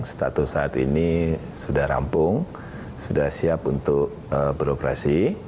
status saat ini sudah rampung sudah siap untuk beroperasi